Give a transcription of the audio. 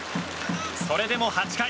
それでも８回。